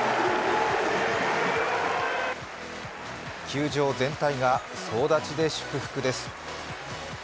球場全体が総立ちで祝福です。